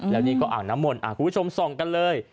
แล้วนี่ก็อ่างน้ำมนต์คุณผู้ชมส่องกันเลย